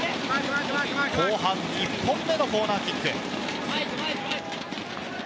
後半１本目のコーナーキック。